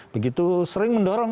begitu sering mendorong